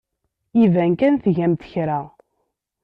Iban kan tgamt kra.